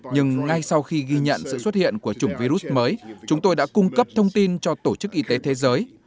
nhưng ngay sau khi ghi nhận sự xuất hiện của chủng virus mới chúng tôi đã cung cấp thông tin cho tổ chức y tế thế giới